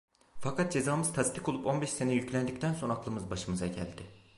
Fakat cezamız tasdik olup on beş sene yüklendikten sonra aklımız başımıza geldi.